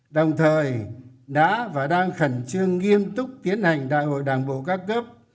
đồng thời đã và đang khẩn trương nghiêm túc tiến hành đại hội đảng bộ các cấp